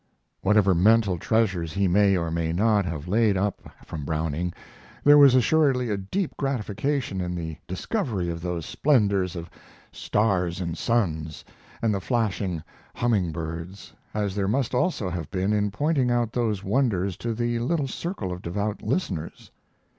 Whatever mental treasures he may or may not have laid up from Browning there was assuredly a deep gratification in the discovery of those splendors of "stars and suns" and the flashing "humming birds," as there must also have been in pointing out those wonders to the little circle of devout listeners.